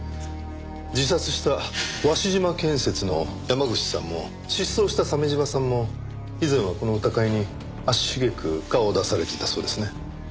自殺した鷲島建設の山口さんも失踪した鮫島さんも以前はこの歌会に足繁く顔を出されていたそうですね。